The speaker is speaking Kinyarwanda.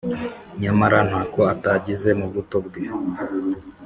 nyamara ntako atagize mu buto bwe